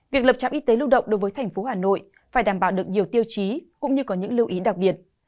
việc lập trạm y tế lưu động đối với thành phố hà nội phải đảm bảo được nhiều tiêu chí cũng như có những lưu ý đặc biệt